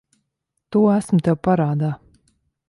To esmu tev parādā.